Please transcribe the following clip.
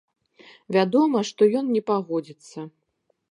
Вядома, што ён не пагодзіцца.